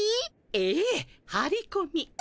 ええはりこみ。